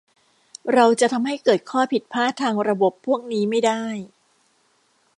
เราจะทำให้เกิดข้อผิดพลาดทางระบบพวกนี้ไม่ได้